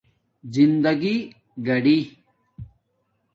زندگݵ گاڑھی